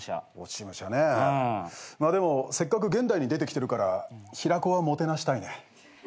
まあでもせっかく現代に出てきてるから平子はもてなしたいね。